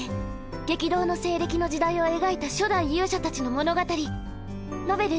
激動の西暦の時代を描いた初代勇者たちの物語ノベル